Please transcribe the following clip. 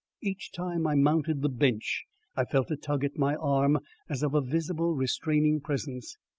Each time I mounted the Bench, I felt a tug at my arm as of a visible, restraining presence.